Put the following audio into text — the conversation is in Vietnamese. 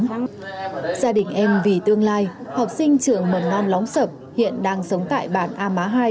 gia đình em vì tương lai học sinh trường mầm non lóng sập hiện đang sống tại bản a má hai